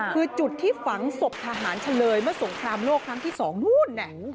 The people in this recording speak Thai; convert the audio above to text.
คือจุดที่ฝังศพทหารเฉลยเมื่อสงครามโลกครั้งที่๒นู่น